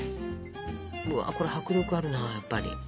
うわこれ迫力あるなやっぱり。